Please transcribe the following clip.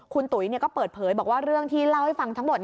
คุณตุ๋ยก็เปิดเผยบอกว่าเรื่องที่เล่าให้ฟังทั้งหมด